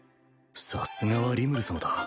さすがはリムル様だ